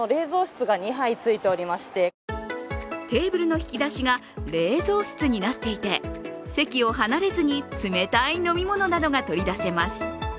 テーブルの引き出しが冷蔵室になっていて、席を離れずに冷たい飲み物などが取り出せます。